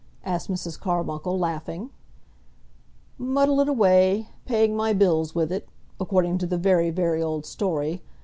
asked Mrs. Carbuncle, laughing. "Muddle it away, paying my bills with it, according to the very, very old story.